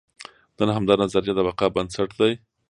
نن همدا نظریه د بقا بنسټ دی.